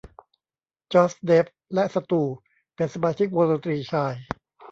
จอส เดฟ และสตูเป็นสมาชิกวงดนตรีชาย